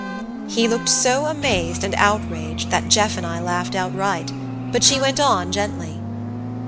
He looked so amazed and outraged that Jeff and I laughed outright, but she went on gently.